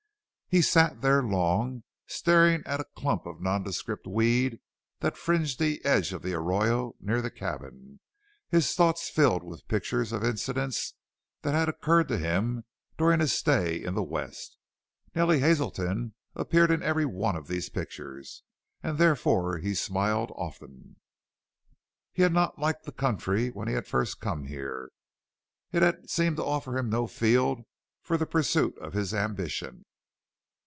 He sat there long, staring at a clump of nondescript weed that fringed the edge of the arroyo near the cabin, his thoughts filled with pictures of incidents that had occurred to him during his stay in the West. Nellie Hazelton appeared in every one of these pictures and therefore he smiled often. He had not liked the country when he had first come here; it had seemed to offer him no field for the pursuit of his ambition.